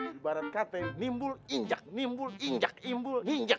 ibarat kata nimbul injak nimbul injak imbul injak